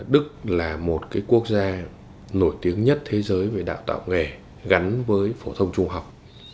đức là một quốc gia nổi tiếng nhất thế giới về đào tạo nghề gắn với phổ thông trung học